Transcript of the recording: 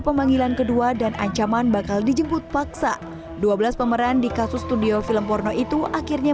pemanggilan kedua dan ancaman bakal dijemput paksa dua belas pemeran di kasus studio film porno itu akhirnya